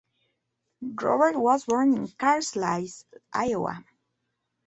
Robert was born in Carlisle, Iowa.